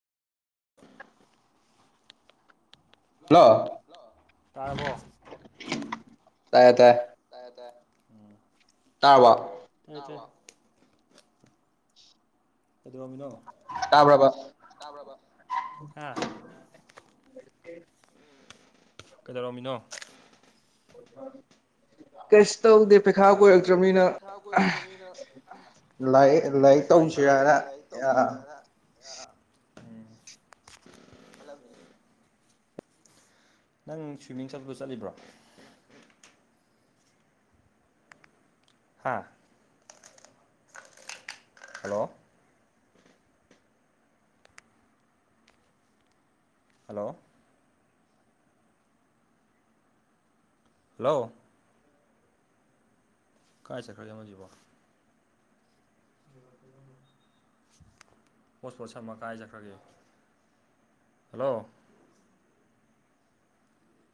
[inaudible] hello hello ꯇꯥꯔꯕꯣ ꯇꯥꯏꯌꯦ ꯇꯥꯏ ꯇꯥꯏ ꯇꯥꯏ ꯎꯝ ꯇꯥꯔꯕꯣ [unintelligible] ꯀꯩꯗꯧꯔꯝꯃꯤꯅꯣ ꯇꯥꯕ꯭ꯔꯕ ꯇꯥꯕ꯭ꯔꯕ ꯍꯥ ꯀꯩꯗꯧꯔꯝꯃꯤꯅꯣ ꯀꯩꯁ ꯇꯧꯗꯦ ꯄꯩꯈꯥ ꯇꯦꯁ ꯇꯧꯗꯦ ꯀꯣꯏꯔꯛꯇ꯭ꯔꯕꯅꯤꯅ ꯄꯩꯈꯥ ꯀꯨꯏꯔꯛꯇ꯭ꯔꯅꯤꯅ ꯂꯥꯏꯔꯤꯛ ꯑꯣ ꯂꯥꯏꯔꯤꯛ ꯄꯩꯈꯥꯒꯤ ꯇꯧꯁꯤꯔꯅ [unintelligible] [unintelligible] ꯅꯪ ꯁ꯭ꯋꯤꯝꯃꯤꯡ ꯆꯠꯄꯗ ꯆꯠꯂꯤꯕ꯭ꯔꯣ ꯍꯥꯥ ꯍꯜꯂꯣ ꯍꯜꯂꯣ ꯍꯜꯂꯣ ꯀꯥꯏ ꯆꯠꯈ꯭ꯔꯒꯦ ꯑꯃꯥꯁꯤꯕꯣ ꯍꯣꯠ ꯁ꯭ꯄꯣꯠ ꯁꯝꯃ ꯀꯥꯏꯖꯠꯈ꯭ꯔꯒꯦ ꯍꯜꯂꯣ